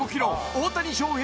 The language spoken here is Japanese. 大谷翔平